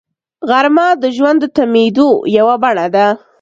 غرمه د ژوند د تمېدو یوه بڼه ده